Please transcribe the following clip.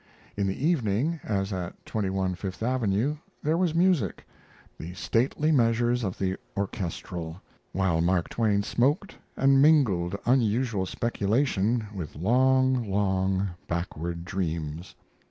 In the evening, as at 21 Fifth Avenue, there was music the stately measures of the orchestrelle while Mark Twain smoked and mingled unusual speculation with long, long backward dreams.